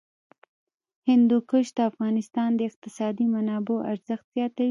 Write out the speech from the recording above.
هندوکش د افغانستان د اقتصادي منابعو ارزښت زیاتوي.